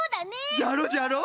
じゃろじゃろ？